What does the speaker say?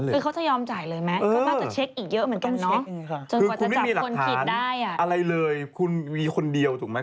เคยสันนิษฐานว่าเคยใส่ไข่